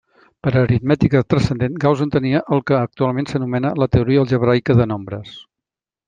Per aritmètica transcendent Gauss entenia el que actualment s'anomena la teoria algebraica de nombres.